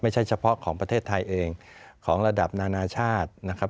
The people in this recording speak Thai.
เฉพาะของประเทศไทยเองของระดับนานาชาตินะครับ